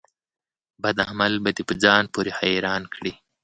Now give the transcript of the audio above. بد عمل به دي په ځان پوري حيران کړي